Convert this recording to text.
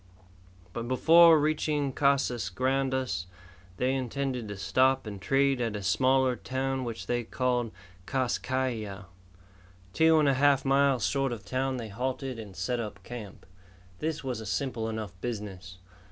But before reaching Casas Grandes they intended to stop and trade at a smaller town which they called Kas Kai Ya. Two and a half miles short of town they halted and set up camp. This was a simple enough business.